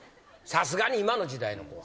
さすがに今の時代の子は。